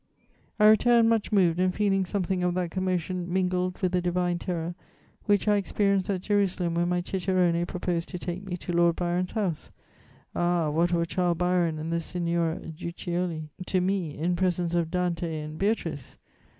"I returned much moved and feeling something of that commotion, mingled with a divine terror, which I experienced at Jerusalem when my cicerone proposed to take me to Lord Byron's house. Ah, what were Childe Harold and the Signora Guiccioli to me in presence of Dante and Beatrice!